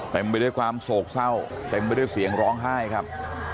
ไปด้วยความโศกเศร้าเต็มไปด้วยเสียงร้องไห้ครับ